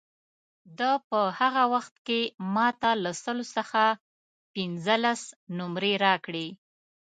ده په هغه وخت کې ما ته له سلو څخه پنځلس نمرې راکړې.